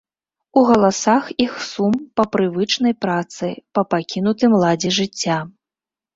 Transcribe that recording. У галасах іх сум па прывычнай працы, па пакінутым ладзе жыцця.